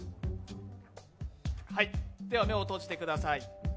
では目を閉じてください。